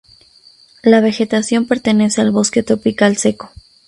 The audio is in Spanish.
La vegetación pertenece al bosque tropical seco.